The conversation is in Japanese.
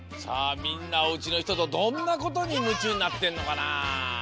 みんなおうちのひととどんなことにむちゅうになってるのかな？